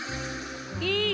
いい？